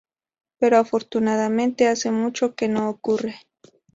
Pero afortunadamente hace mucho que no ocurre.